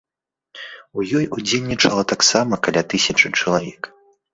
У ёй удзельнічала таксама каля тысячы чалавек.